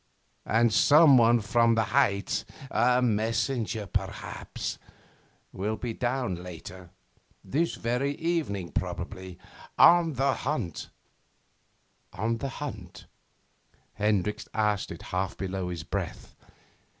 And some one from the heights a messenger perhaps will be down later, this very evening probably, on the hunt ' 'On the hunt?' Hendricks asked it half below his breath.